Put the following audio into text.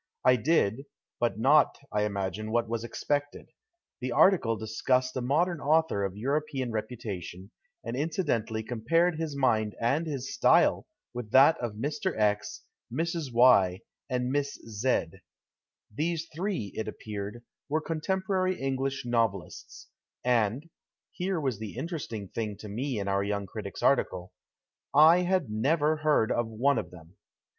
I did, but not, I imagine, what was expected. The article discussed a modern author of European reputation, and inci dentally compared liis mind and his style with that of Mr. X., Mrs. Y., and Miss Z. These three, it appeared, were contemporary English novelists, and — here was the interesting thing to me in our young critics article — I had never heard of one of them.